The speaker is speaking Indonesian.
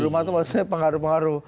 rumah itu maksudnya pengaruh pengaruh